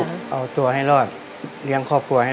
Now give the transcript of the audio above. พ่อผมจะช่วยพ่อผมจะช่วยพ่อผมจะช่วย